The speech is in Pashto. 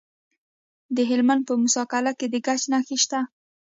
د هلمند په موسی قلعه کې د ګچ نښې شته.